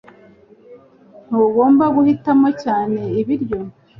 Ntugomba guhitamo cyane ibiryo